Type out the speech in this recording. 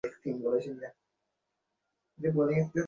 আমিই ওকে গাঁজা কিনে দিতাম!